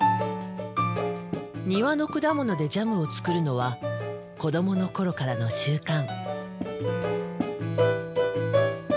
庭の果物でジャムを作るのは子どもの頃からの習慣。